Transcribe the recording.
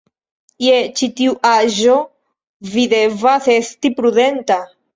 Je ĉi tiu aĝo, vi devas esti prudenta.